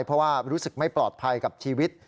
เพราะว่ารู้สึกไม่ปลอดภัยกับชีวิต